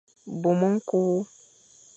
Bôm ñkul.